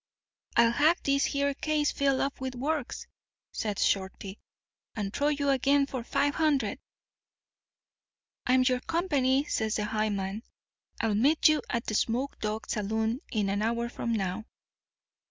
"'I'll have this here case filled up with works,' says Shorty, 'and throw you again for five hundred.' "'I'm your company,' says the high man. 'I'll meet you at the Smoked Dog Saloon an hour from now.